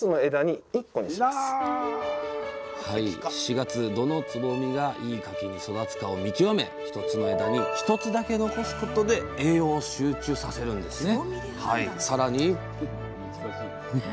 月どのつぼみがいい柿に育つかを見極め一つの枝に一つだけ残すことで栄養を集中させるんですね。